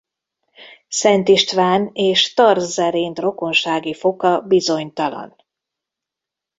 Szent István és Tar Zerind rokonsági foka bizonytalan.